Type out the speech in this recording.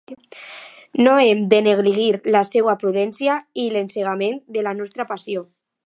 No hem de negligir la seua prudència i l'encegament de la nostra passió